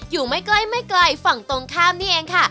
อยู่ไม่ไกลฝั่งตรงข้ามนี้เองค่ะ